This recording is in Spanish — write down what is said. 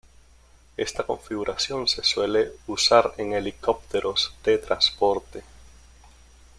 Esta configuración se suele usar en helicópteros de transporte.